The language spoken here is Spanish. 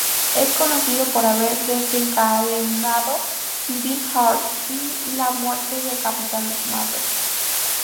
Es conocido por haber desencadenado "Civil War" y la muerte del Capitán Marvel.